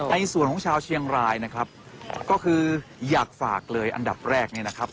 ในส่วนของชาวเชียงรายนะครับก็คืออยากฝากเลยอันดับแรกเนี่ยนะครับ